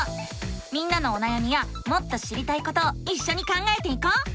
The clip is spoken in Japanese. みんなのおなやみやもっと知りたいことをいっしょに考えていこう！